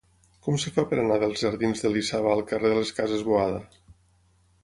Com es fa per anar dels jardins d'Elisava al carrer de les Cases Boada?